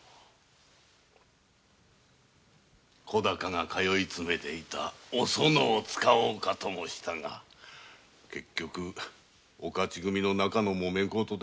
小高が通いつめていたおそのを使おうともしたが結局お徒組の中のもめ事ですみそうではないか。